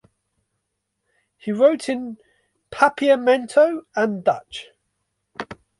He wrote in Papiamento and Dutch.